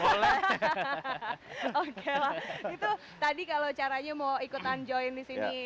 oke lah itu tadi kalau caranya mau ikutan join disini